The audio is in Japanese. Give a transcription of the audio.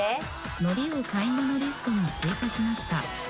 のりを買い物リストに追加しました。